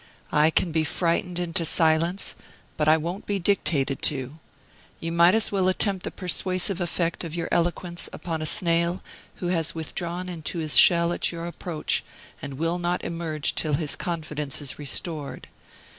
I can be frightened into silence, but I won't be dictated to. You might as well attempt the persuasive effect of your eloquence upon a snail who has withdrawn into his shell at your approach, and will not emerge till his confidence is restored.